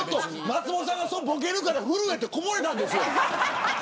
松本さんがボケるから震えてこぼれたんですよ。